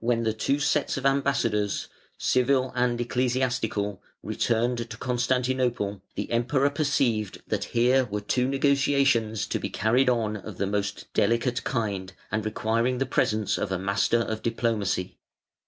When the two sets of ambassadors, civil and ecclesiastical, returned to Constantinople the Emperor perceived that here were two negotiations to be carried on of the most delicate kind and requiring the presence of a master of diplomacy.